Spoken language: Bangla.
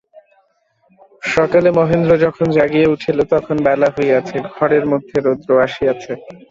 সকালে মহেন্দ্র যখন জাগিয়া উঠিল, তখন বেলা হইয়াছে, ঘরের মধ্যে রৌদ্র আসিয়াছে।